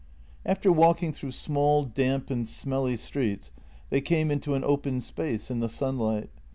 After walking through small, damp and smelly streets they came into an open space in the sunlight.